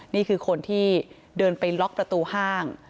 นี่คือคนที่เดินไปล็อกประตูห้าง